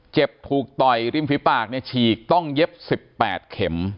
ถูกต่อยริมฝีปากฉีกต้องเย็บ๑๘เข็ม